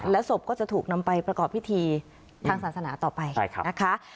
ศพก็จะถูกนำไปประกอบพิธีทางศาสนาต่อไปนะคะ